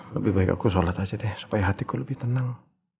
lebih baik aku sholat aja deh supaya hatiku lebih tenang